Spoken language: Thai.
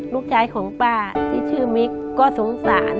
ลูกชายของป้าที่ชื่อมิกก็สงสาร